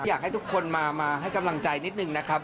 อยากให้ทุกคนมาให้กำลังใจนิดนึงนะครับ